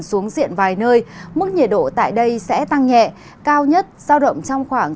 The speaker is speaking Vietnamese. xuống diện vài nơi mức nhiệt độ tại đây sẽ tăng nhẹ cao nhất xa rộng trong khoảng